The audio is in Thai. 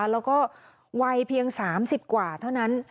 แล้วก็วัยเพียง๓๐กว่าเท่านั้น